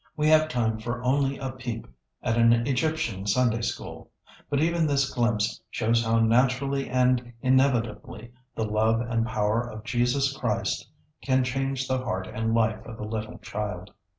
We have time for only a peep at an Egyptian Sunday School, but even this glimpse shows how naturally and inevitably the love and power of Jesus Christ can change the heart and life of a little child.